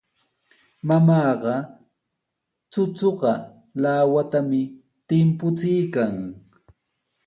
Mamaaqa chuchuqa lawatami timpuchiykan.